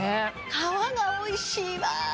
皮がおいしいわ！